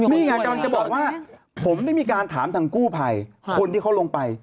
นี่ไงกำลังจะบอกว่าผมได้มีการถามทางกู้ภัยคนที่เขาลงไป